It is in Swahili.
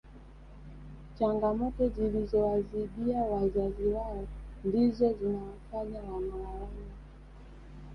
Changamoto zilizo wazidia wazazi wao ndizo zinawafanya wanalalama